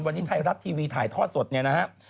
วันนี้ไทยรัฐทีวีถ่ายทอดสดเนี่ยนะครับ